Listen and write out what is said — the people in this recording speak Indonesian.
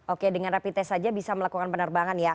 oke dengan rapid test saja bisa melakukan penerbangan ya